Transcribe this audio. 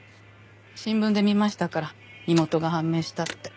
新聞で見ましたから身元が判明したって。